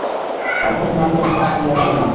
আর কোনো পাগলা, উন্মাদ সামলাতে হবে না।